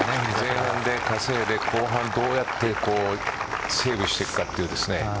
前半で稼いで後半どうやってセーブしていくかという。